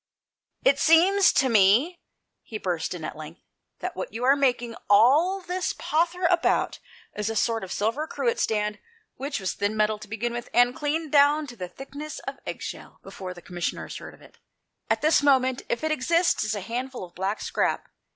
"It seems to me," he burst in at length, "that what you are making all this pother about is a sort of silver cruet stand, which was 160 THE PLACE OF SAFETY. thin metal to begin with, and cleaned down to the thickness of egg shell before the Com missioners heard of it. At this moment, if it exists, it is a handful of black scrap.